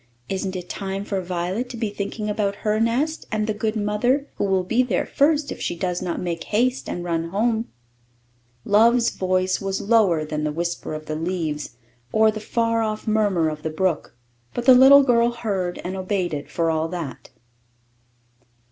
Isn't it time for Violet to be thinking about her nest, and the good mother, who will be there first if she does not make haste and run home?" Love's voice was lower than the whisper of the leaves or the far off murmur of the brook; but the little girl heard and obeyed it for all that.